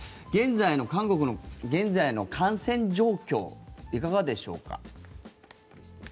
現在の韓国の現在の感染状況いかがでしょうか。